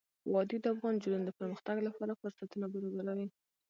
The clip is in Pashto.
وادي د افغان نجونو د پرمختګ لپاره فرصتونه برابروي.